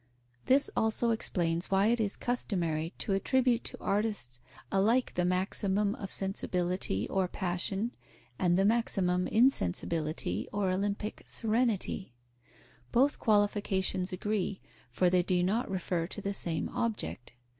This also explains why it is customary to attribute to artists alike the maximum of sensibility or passion, and the maximum insensibility or Olympic serenity. Both qualifications agree, for they do not refer to the same object.